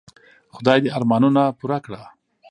خدای دي ارمانونه پوره کړه .